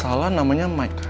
salah namanya mike kan